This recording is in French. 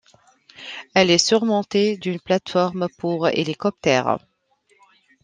Elle est surmontée d'une plateforme pour hélicoptère.